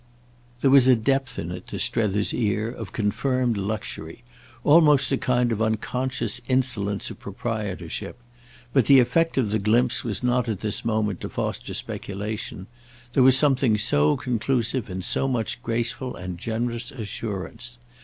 There was a depth in it, to Strether's ear, of confirmed luxury—almost a kind of unconscious insolence of proprietorship; but the effect of the glimpse was not at this moment to foster speculation: there was something so conclusive in so much graceful and generous assurance.